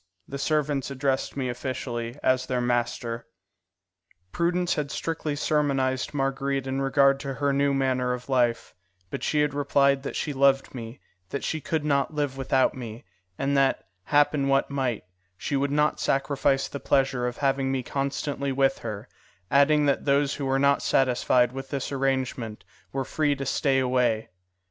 The servants addressed me officially as their master. Prudence had strictly sermonized Marguerite in regard to her new manner of life; but she had replied that she loved me, that she could not live without me, and that, happen what might, she would not sacrifice the pleasure of having me constantly with her, adding that those who were not satisfied with this arrangement were free to stay away.